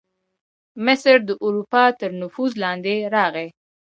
مصر د اروپا تر نفوذ لاندې راغی.